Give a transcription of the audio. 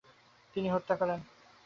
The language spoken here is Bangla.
তিনি হত্যা করেন।